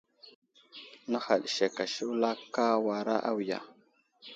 Nə̀haɗ sek a shula ,ka wara awiya.